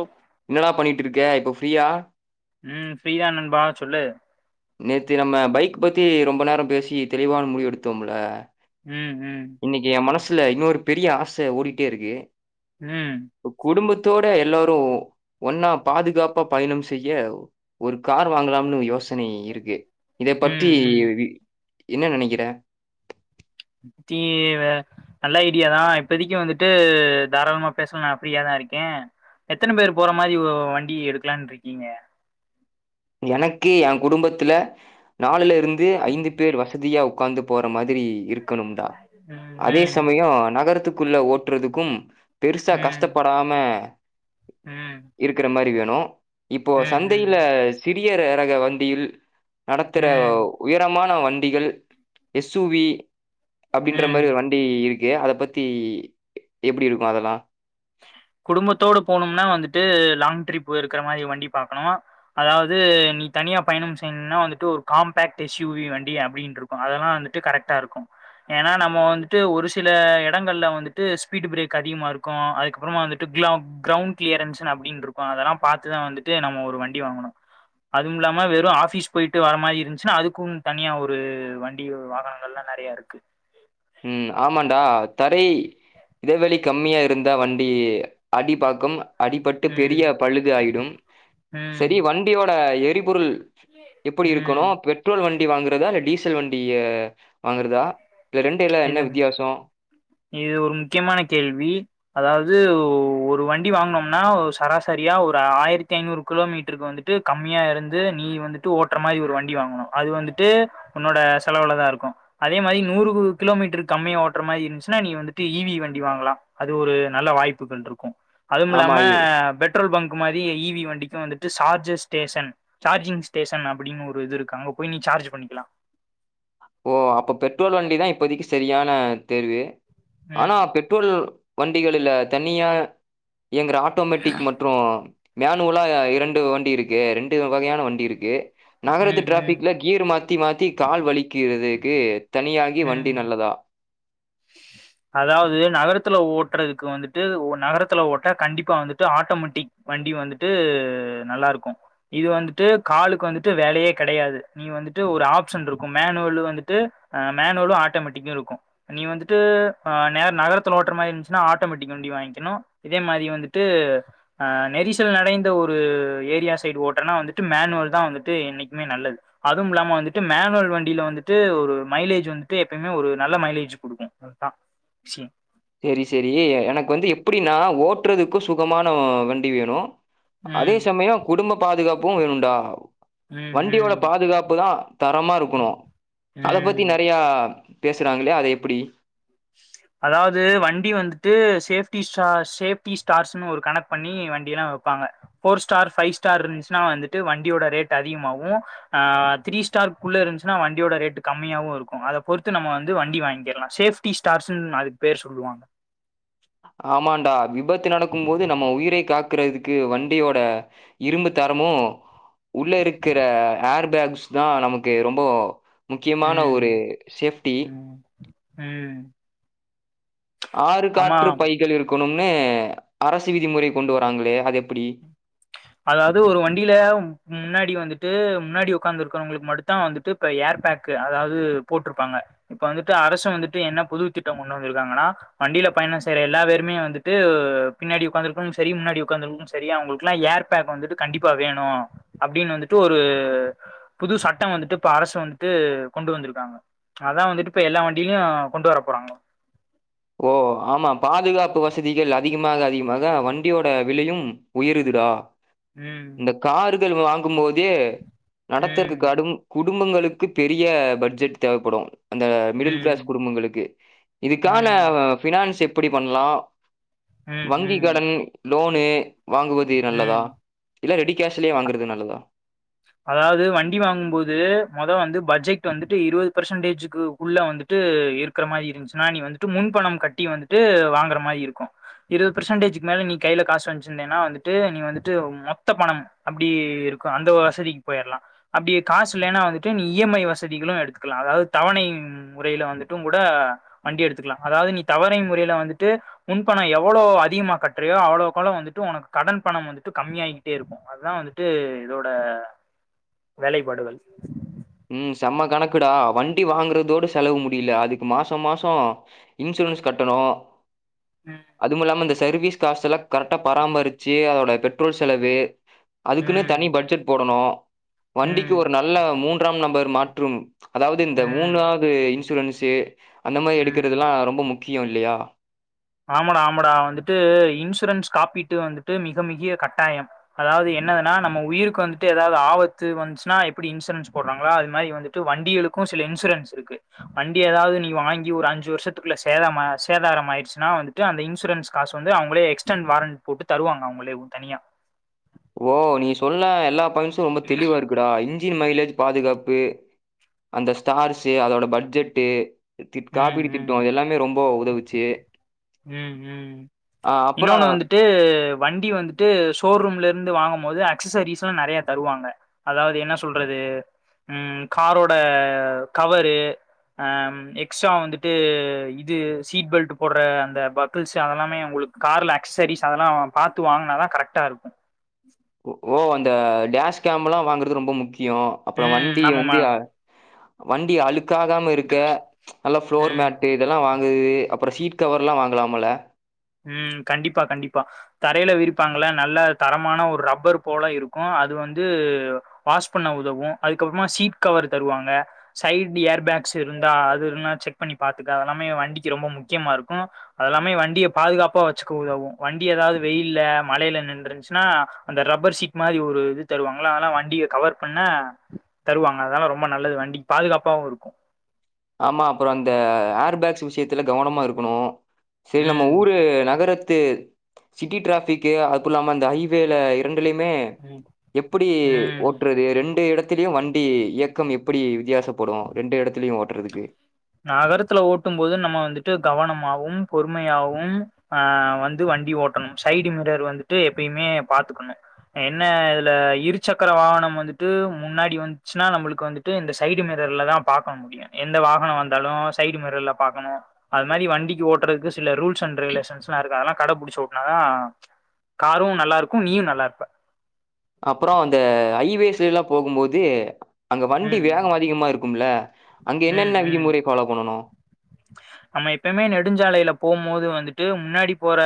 ஒ என்னடா பண்ணிட்ருக்க இப்போ ஃப்ரீயா? ம் ஃப்ரீதா நண்பா சொல்லு. நேத்து நம்ம பைக் பத்தி ரொம்ப நேரோ பேசி தெளிவான முடிவு எடுத்தோம்ல்ல ம் ம். இன்னிக்கி எ மனசுல இன்னொரு பெரிய ஆச ஓடிட்டே இருக்கு. ம். ப்ப குடும்பத்தோட எல்லாரு ஒன்னா பாதுகாப்பா பயணம் செய்ய ஒரு கார் வாங்கலாம்னு யோசனை இருக்கு. இதை பற்றி ம் ம் இவி என்ன நினைக்கிற? த்தி வே நல்ல ஐடியாதா இப்பதைக்கி வந்துட்டு தாராளமா பேசல நா ஃப்ரீயாதா இருக்கே. எத்தன பேர் போற மாரி ஒ வண்டி எடுக்கலான்ருக்கீங்க? எனக்கு எ குடும்பத்துல நாலுல இருந்து ஐந்து பேர் வசதியா உக்காந்து போற மாதிரி இருக்கணும்டா. ம் அதே ம் சமயோ நகரத்துக்குள்ள ஓட் றதுக்கும் பெருசா ம் கஷ்டப்படாம ம். இருக்கற மாரி வேணு இப்போ ம் சந்தையில ம் சிறிய ர ரக வண்டியில் ம் நடத்துற ம் உயரமான வண்டிகள் எஸ் சு வி அப்டின்ற ம் மாரி ஒரு வண்டி இருக்கு அத பத்தி எ எப்டி இருக்கு அதெல்லா? குடும்பத்தோட போணும்னா வந்துட்டு லாங் ட்ரிப்பு இருக்கற மாரி வண்டி பாக்கணு. அதாவது நீ தனியா பயணம் செய்யுன்னா வந்துட்டு ஒரு காம்பாக்ட் எஸ் யு வி வண்டி அப்டின்டுரு க்கு அதெல்லா வந்துட்டு கரெக்ட்டாருக்கு. ஏனா நம்மோ வந்துட்டு ஒரு சில எடங்கள்ல வந்துட்டு ஸ்பீடு பிரேக் அதிகமாருக்கு அதுக்க அப்புறமா வந்துட்டு க்ளௌ கிரௌண் கிளியரன்ஸுன் அப்டின்ருக்கு அதெல்லா பாத்துதா வந்துட்டு நம்ம ஒரு வண்டி வாங்குணு. அதுமில்லாம வெறு ஆஃபிஸ் போயிட்டு வர மாரி இருஞ்ச்சுனா அதுக்கும் தனியா ஒரு வண்டி வாகன ல்லா நெறைய இருக்கு ம் ஆமான்டா தரை இடைவழி கம்மியா இருந்தா வண்டி அடி பாக்கம் அடிபட்டு ம் பெரிய பழுது ஆயிடும் ம் சரி வண்டியோட எரிபொருள் எப்படி இருக்கணு ம் பெட்ரோல் வண்டி வாங்குறதா இல்ல டீசல் வண்டிய வாங்குறதா இது ரெண்டு எல்லா என்ன இது வித்தியாசோ இது ஒரு முக்கியமான கேள்வி அதாவது ஒரு வண்டி வாங்கனோம்னா சராசரியா ஒரு ஆயிரத்தி ஐநூறு கிலோமீட்டருக்கு வந்துட் ட்டு கம்மியா இருந்து நீ வந்துட்டு ஓட்டுற மாரி ஒரு வண்டி வாங்கணு அது வந்துட்டு உன்னோட செலவுலதா இருக்கு அதே மாரி நூறு கிலோமீட்டருக்கு கம்மிய ஓற மாரி இருன்சுனா நீ வந்துட்டு இவி வண்டி வாங்கலா அது ஒரு நல்ல வாய்ப்புகள் இருக்கும் அதுவு ஆமா. இல்லாம பெட் பெட்ரோல் பங்க் மாரி இவி வண்டிக்கு வந்துட்டு சார்ஜர் ஸ்டேஷன் சார்ஜிங் ஸ்டேஷன் அப்டின் ஒரு இது இருக்கு அங்க போய் நீ சார்ஜ் பண்ணிக்கலா ஓ அப்ப பெட்ரோல் வண்டி தா இப்போதைக்கு சரியான தேர்வு ஆனா ம் பெட் ட்ரோல் வண்டிகளில தனியா இயங்கிற ஆட்டோமேட்டிக் மற்று மேனுவலா இரண்டு வண்டி இருக்கு ரெண்டு வகையான வண்டி இருக்கு நகரத்து ம் ம் டிராஃபிக்ல கீர் மாத்தி மாத்தி கால் வலிக்கிறதுக்கு தனியாகி வண்டி ம் நல்லதா அதாவது நகரத்துல ஓட்றதுக்கு வந்துட்டு நகரத்துல ஓட்ட கண்டிப்பா வந்துட்டு ஆட்டோமேட்டிக் வண்டி வந்துட்டு நல்லா இருக்கு இது வந்துட்டு காலுக்கு வந்துட்டு வேலையே கெடையாது நீ வந்துட்டு ஒரு ஆப்ஷன் இருக்கு மேனுவலு வந்துட்டு மேனுவலு ஆட்டோமேட்டிக்கு இருக்கு நீ வந்துட்டு அ நகரத்து ஓட்டுற மாரி இருந்துச்சுன்னா ஆட்டோமேட்டிக் வண்டி வாங்கிகணு இதே மாரி வந்துட்டு ஆ நெரிசல் நெறைந்த ஒரு ஏரியா சைடு ஓட்றன்னா வந்துட்டு மேனுவல் தா வந்துட்டு என்னைக்குமே நல்லது அதுவும் இல்லாம வந்துட்டு மேனுவல் வண்டியில வந்துட்டு ஒரு மைலேஜ் வந்துட்டு எப்பயுமே ஒரு நல்ல மைலேஜ் கொடுக்கு அதுதா விஷய செரி செரி எனக்கு வந்து எப்டின்னா ஓட்றதுக்கு சுகமான வண்டி வேணு அதே ம். சமய குடும்ப பாதுகாப்பு வேணுண்டா ம். வண்டியோட ம். பாதுகாப்பு தா தரமாக இருக்கணு அத பத்தி ம். நெறையா பேசுகிறாங்களே அதை எப்படி [inaudible] அதாவது வண்டி வந்துட்டு சேஃப்டி ஸ சேஃப்டி ஸ்டார்ஸ்ன்னு ஒரு கனெக் பண்ணி வண்டியெல்லா வப்பாங்க ஃபோர் ஸ்டார் ஃபை ஸ்டார் இருன்ச்சின்னா வந்துட்டு வண்டியோட ரேட் அதிகமாவு ஆ த்ரீ ஸ்டார் குள்ள இருந்துச்சுன்னா வண்டியோட ரேட் கம்மியாவு இருக்கு அத பொறுத்து நம்ம வந்து வண்டி வாங்கிகலா சேஃப் டி ஸ்டார்ஸ்ன் அதுக்கு பேர் சொல்லுவாங்க ஆமாண்டா விபத்து நடக்கும் போது நம்ம உயிரை காக் க்றதுக்கு வண்டியோட இரும்பு தரமு உள்ள இருக்கிற ஏர் பேக்ஸ் தா நமக்கு ரொம்ப முக்கியமான ம். ஒரு சேஃப்டி ம். ம் ஆறு ஆமா. காற்று பைகள் இருக்கணும்னு அரசு விதிமுறை கொண்டு வராங்களே அது எப்படி அதாவது ஒரு வண்டில முன்னாடி வந்துட்டு முன்னாடி உக்கார்ந்துருக்கவங்களுக்கு மடு தா வந்துட்டு இப்ப ஏர் பேக் அதாவது போட்ருபாங்க இப்ப வந்துட்டு அரசு வந்துட்டு என்ன புது திட்டம் கொண்டு வந்துருக்காங்கனா வண்டியில பயணம் செய்யற எல்லா பேருமே வந்துட்டு பின்னாடி உட்காந்ருக்கு சரி முன்னாடி உட்கார்ந்ருக்கு சரி அவங்களுக்கு எல்லாம் ஏர் பேப் வந்துட்டு கண்டிப்பா வேணு அப்டின்னு வந்துட்டு ஒரு புது சட்டம் வந்துட்டு இப்ப அரசு வந்துட்டு கொண்டு வந்துருக்காங்க அதா வந்துட்டு இப்ப எல்லா வண்டியிலையு கொண்டு வர போறாங்கோ ப்போ ஆமா பாதுகாப்பு வசதிகள் அதிகமாக அதிகமாக வண்டியோட விலையும் உயருதுடா ம் இந்த கார்கள் வாங்கும் போதே நடத்தற்க்கு ம் கடும் குடும்பங்களுக்கு பெரிய பட்ஜெட் தேவப்படும் அந்த மிடில் கிளாஸ் ம் குடும்பங்களுக்கு இதுக்கான ம் ஃபினான்ஸ் எப்படி பண்ணலா ம் வங்கி ம் கடன் லோனு வாங்குவதே நல்லதா ம் இல்ல ரெடி கேஷ்லே வாங்குறது நல்லதா அதாவது வண்டி வாங்கும் போது மொத வந்து பட்ஜெட் வந்துட்டு இருபது பெர்சன்டேஜக்கு உள்ள வந்துட்டு இருக்குற மாரி இருந்துச்சுன்னா நீ வந்துட்டு முன்பணம் கட்டி வந்துட்டு வாங்குற மாரி இருக்கும் இருபது பெர்சன்டேஜ்கக்கு மேல நீ கையில காச வன்ச்சிருந்தேன்னா வந்து ட்டு நீ வந்துட்டு மொத்த பணம் அப்டி இருக்கு அந்த வசதிக்கு போயிரலா அப்படி காசு இல்லனா வந்துட்டு நீ இஎம்ஐ வசதிகளும் எடுத்துக்கலாம் அதாவது தவணை ம் முறையில வந்துட்டும் கூட வண்டி எடுத்துக்கலாம் அதாவது நீ தவணை முறையில வந்துட்டு முன்பணம் எவ்வளோ அதிகமா கட்டுறியோ அவ்ளோக்கவ்ளோ வந்துட்டு உனக்கு கடன் பணம் வந்துட்டு கம்மியாகிட்டே இருக்கும் அதா வந்துட்டு இதோட வேலைப்பாடுகள் உம் செம்ம கணக்குடா வண்டி வாங்குறதோடு செலவு முடியல அதுக்கு மாசம் மாசம் இன்சூரன்ஸ் கட்டணும் உம் அதுவும் இலாம இந்த சர்வீஸ் காசலா எல்லாம் கரெக்டா பராமரிச்சு அதோட பெட்ரோல் செலவு அதுக்குன்னு தனி ம் பட்ஜெட் போடணும் வண்டிக்கு ம் ஒரு நல்ல மூன்றாம் நம்பர் மாற்றும் அதாவது இந்த ம் மூணாவது இன்சூரன்ஸு அந்த மாதிரி ம். எடுக்கறதுல்லாம் ரொம்ப முக்கியம் இல்லையா ஆமாடா ஆமாடா வந்துட்டு இன்சூரன்ஸ் காப்பீட்டு வந்துட்டு மிக மிக கட்டாயம் அதாவது என்னதுன்னா நம்ம உயிருக்கு வந்துட்டு ஏதாவது ஆபத்து வந்துச்சுன்னா எப்படி இன்சூரன்ஸ் போடுறாங்களா அது மாதிரி வந்து வண்டிகளுக்கும் சில இன்சூரன்ஸ் இருக்கு வண்டி ஏதாவது நீ வாங்கி ஒரு அஞ்சு வருஷத்துக்குள்ள சேத சேதார ஆயிடுச்சு னா வந்துட்டு அந்த இன்சூரன்ஸ் காசு வந்து அவங்களே எக்ஸ்டன் வாரண்ட் போட்டு தருவாங்க அவங்கலேவும் தனியா ஓ நீ சொன்ன எல்லா பாயிண்ட்ஸும் ரொம்ப தெளிவா இருக்குடா இன்ஜின் மைலேஜ் பாதுகாப்பு அந்த ஸ்டார்ஸு அதோட பட்ஜெட்டு தி ம் காப்பீடு ம் திட்டம் எல்லாமே ரொம்ப உதவுச்சு உம் உம் அ அப்புறம் இன்னொன்னு வந்துட் ட்டு வண்டி வந்துட்டு ஷோரூம்ல இருந்து வாங்கும் போது அக்சசரிஸ்ல்லா நெறைய தருவாங்க அதாவது என்ன சொல்றது உம் காரோட கவரு ஆம் எக்ஸ்ட்டா வந்துட்டு இது சீட் பெல்டு போட்ற அந்த பக்கள்ஸு அதெல்லாமே உங்களுக்கு கார்ல அகஸஸரிஸ் அதெல்லாம் பார்த்து வாங்குனாலும் தா கரெக்டாக இருக்கு ஓ அந்த டேஷ் கேம்ல்லாம் வாங்குறது ரொம்ப முக்கியம் அப்புறம் ம் வண்டி வந்து ஆமாமா வண்டி அழுக்காகாம இருக்க நல்ல ப்ளோர் ம் மேட்டு இதெல்லாம் வாங்கு அப்புறம் சீட் கவர்ல்லாம் வாங்கலாம்ல உம் கண்டிப்பா கண்டிப்பா தரையில விரிப்பாங்கள நல்ல தரமான ஒரு ரப்பர் போல இருக்கும் அது வந்து வாஷ் பண்ண உதவும் அதுக்கப்புறமா சீட் கவர் தருவாங்க சைட் ஏர் பேக்ஸ் இருந்தா அதுல்லா செக் பண்ணி பாத்துக்க அதெல்லாமே வண்டிக்கு ரொம்ப முக்கியமா இருக்கும் அதெல்லாமே வண்டி பாதுகாப்பா வச்சுக்க உதவும் வண்டி ஏதாவது வெயில்ல மழையில நின்றுச்சுன்னா அந்த ரப்பர் சீட் அந்த மாதிரி ஒரு இது தருவாங்கள அதெல்லாம் வண்டிய கவர் பண்ண தருவாங்க அதெல்லா ரொம்ப நல்லது வண்டிக்கு பாதுகாப்பாகவு இருக்கு ஆமா அப்பறோ அந்த ஏர் பேக்ஸ் விஷயத்துல கவனமா இருக்கணு சரி நம்ம ம் ஊரு நகரத் து சிட்டி டிராபிக் அப்புல்லாம அந்த ஹைவேல இரண்டுலயுமே ம் எப்டி ம் ஓட்டுறது ரெண்டு இடத்திலயு வண்டி இயக்கம் எப்படி வித்தியாச ப்படு ரெண்டு இடத்துலயையும ஓட்றதுக்கு நகரத்துல ஓட்டும் போது நம்ம வந்துட்டு கவனமாவும் பொறுமையாவும் ஆஹ் வந்து வண்டி ஓட்டணும் சைடு மிரர் வந்துட்டு எப்பயுமே பாத்துக்கணு என்ன இதுல இருசக்கர வாகனம் வந்துட்டு முன்னாடி வந்துச்சுன்னா நம்மளுக்கு வந்து ட்டு இந்த சைடு மிரர்ல தான் பாக்க முடியு எந்த வாகனம் வந்தாலும் சைடு மிரர்ல பாக்கணு அது மாரி வண்டிக்கு ஓட்றதுக்கு சில ரூல்ஸ் அண்ட் ரெகுலேஷன்ஸ்ல்லா இருக்கு அதெல்லா கடை புடிச்ச ஒட்னாதா காரு நல்லா இருக்கு நீயும் நல்லா இருப்ப அப்றோ அந்த ஹைவேஸ்லெல்லா போகும்போது அங்க வண்டி ம் வேகம் அதிகமா இருக்கும்ல அங்க ம் என்னென்ன ம் விதிமுறை ஃபாலோ பண்ணனு நம்ம எப்பமே நெடுஞ்சாலையில போம் போது வந்துட்டு முன்னாடி போற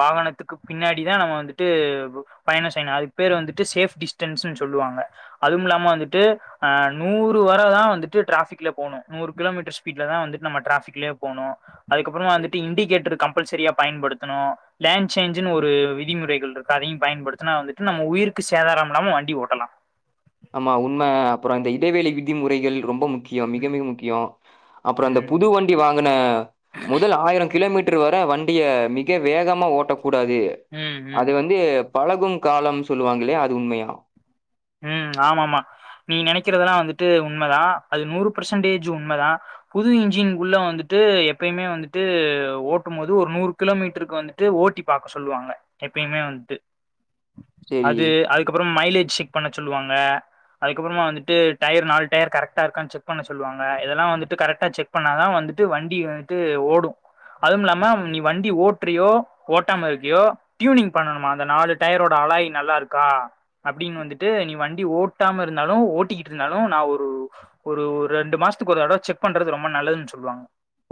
வாகனத்துக்கு பின்னாடிதா நம்ம வந்துட்டு பயணம் செய்யணு அதுக்கு பேர் வந்துட்டு சேஃப் டிஸ்டன்ஸ்ன்னு சொல்லுவாங்க அதும் இல்லாம வந்துட்டு ஆஹ் நூறு வர தா வந்துட்டு ட்ராபிக்ல போனு நூறு கிலோமீட்டர் ஸ்பீட்ல தா வந்துட்டு நம்ம டிராபிக்லே போணு அதுக்கப்புறமா வந்துட்டு இண்டிகேட்டரு கம்பல்சரியா பயன்படுத்தணு லேண்ட் சேஞ்சுன்னு ஒரு விதிமுறைகள் இருக்கு அதையும் பயன்படுத்துனா வந்துட்டு நம்ம உயிருக்கு சேதாரம் இல்லாம வண்டி ஓட்டலாம் ஆமா உண்மை அப்பறோந்த இடைவேளை விதிமுறைகள் ரொம்ப முக்கி யோ மிக மிக ம் முக்கியோ அப்றோ அந்த ம் புதுவண் டி வாங்கன முதல் ஆயிரம் கிலோமீட்டர் வர வண்டிய மிக வேகமா ஓட்டக் கூடாது ம் ம் அது வந்து பழகும் காலம் சொல்லுவாங் இல்லையா அது உண்மையா ம் ஆம ஆாமாமா நீ நெனைக்கறதெல்லா வந்துட்டு உண்மைதா அது நூறு பர்சன்டேஜ் உண்மதா புது இன்ஜின்குள்ள வந்துட்டு எப்பயுமே வந்துட்டு ஓட்டும் போது ஒரு நூறு கிலோமீட்டருக்கு வந்துட்டு ஓட்டி பாக்க சொல்லுவாங்க எப்பயுமே வந்துட்டு சரி. அது அதுக்கப்றோம் மைலேஜ் செக் பண்ண சொல்லுவாங்க அதுக்கப்புறமா வந்துட்டு டயரீ நால டயர் கரக்டா இருக்கான்னு செக் பண்ண சொல்லுவாங்க இதெல்லா வந்துட்டு கரெக்டாக செக் பண்ணாதா வந்துட்டு வண்டி வந்துட்டு ஓடு அதும் இல்லாம நீ வண்டி ஓட்டுறியோ ஓட்டாம இருக்கியோ டியூனிங் பண்ணனுமா அந்த நாலு டயரோட அலாய் நல்லா இருக்கா அப்டின் வந்துட் டு வண்டி ஓட்டாம இருந்தாலு ஓட்டிக்கிட்டு இருந்தாலு நா ஒரு ஒரு ரெண்டு மாசத்துக்கு ஒருதடவ செக் பண்றது ரொம்ப நல்லதுன் சொல்லுவாங்க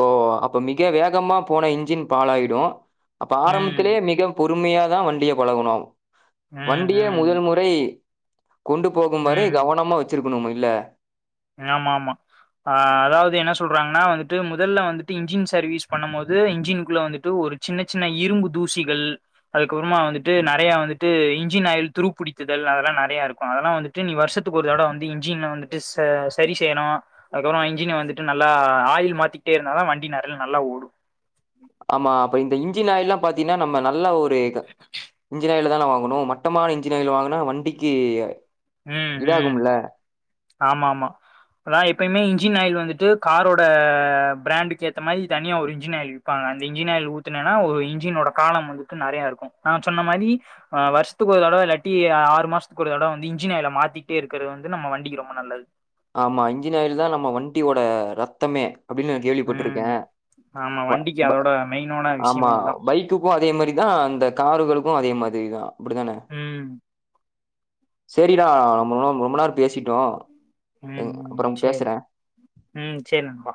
ஓ அப்ப மிக வேகமா போன இன்ஜின் பாலாயிடு அப்ப ம் ஆரம்பத்திலயே மிக பொறுமையா தா வண்டிய பழகணு ம் வண்டிய ம் முதல் முறை கொண்டு போகும் வரை ம் கவனமா வெச்சிருக்கணும் இல்ல ஆமா ஆமா ஆஹ் அதாவது என்ன சொல்றாங்கன்னா வந்துட்டு முதல்ல வந்துட்டு இன்ஜின் சர்வீஸ் பண்ணும் போது இன்ஜின்க்குள்ள வந்துட்டு ஒரு சின்ன சின்ன இரும்பு தூசிகள் அதுக்கப்புறமா வந்துட்டு நெறைய வந்துட்டு இன்ஜின் ஆயில் துரு பிடித்துதல் அதெல்லா நெறைய இருக்கு அதெல்லா வந்துட் டு நீ வருஷத்துக்கு ஒரு தடவ வந்து இன்ஜின்ன வந்துட்டு ச சரி செய்யனு அதுக்கப்புறமா இன்ஜின் வந்துட்டு நல்லா ஆயில் மாத்திட்டே இருந்தா தா வண்டி நரல் நல்லா ஓடும் ஆமா அப்ப இந்த இன்ஜின் ஆயில்ல்லா பாத்தீனா நம்ம நல்லா ஒரு இன்ஜின் ஆயில தா வாங்கணு மட் டமான இன்ஜினாயில் வாங்குனா வண்டிக்கு ம் ம் இதாகும்முல்ல ஆமா ஆமா நா எப்பய்மே இன்ஜின் ஆயில் வந்துட்டு காரோட பிராண்டுக்கு ஏத்த மாரி தனியா ஒரு இன்ஜின் ஆயில் விப்பாங்க அந்த இன்ஜின் ஆயல் ஊத்துனேன்னா ஒரு இன்ஜினோட காலம் வந்துட்டு நெறையா இருக்கு நா சொன்ன மாரி அ வருஷத்துக்கு ஒரு தடவ இல்லாட்டி ஆறு மாசத்துக்கு ஒரு தடவ வந்து இன்ஜின்ன் ஆயில மாத்திட்டே இருக்கிறது வந்து நம்ம வண்டிக்கு ரொ ம்ப நல்லது ஆமா இன்ஜின் ஆயில் தா நம்ம வண்டியோட ரத்தமே அப்டினு ம் கேள்விப்பட்ருக்கே ஆமா வ வண்டிக்கு ப அதோட மெயினான ஆமா விஷயமே அதா பைக் துக்கு அதே மாரிதா அந்த காருகளுக்கு அதே மாத்ரிதா ம் செரிடா நம்ம ர் ரொம்ப நேர பேசிட்டோ எ ம் ம் அப்பறம் சேரி பேசறே ம் சேரி நண்பா